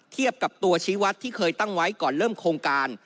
กับตัวชีวัตรที่เคยตั้งไว้ก่อนเริ่มโครงการ